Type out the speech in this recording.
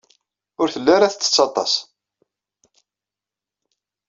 Ur telli ara tettett aṭas.